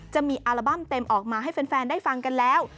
จะมีอัลบั้มเต็มออกมาให้แฟนได้ฟังกันแล้ว